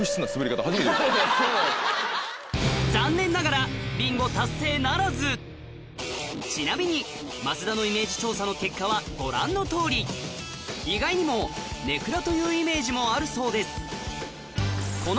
残念ながらちなみに増田のイメージ調査の結果はご覧のとおり意外にも「根暗」というイメージもあるそうです